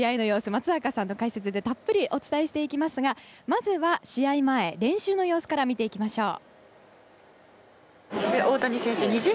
松坂さんとの解説でたっぷりお伝えしていきますがまずは試合前、練習の様子から見ていきましょう。